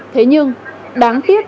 thế nhưng đáng tiếc